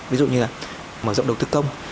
ví dụ như là mở rộng đầu tư công